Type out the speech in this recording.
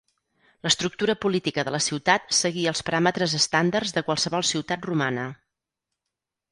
L'estructura política de la ciutat seguia els paràmetres estàndards de qualsevol ciutat romana.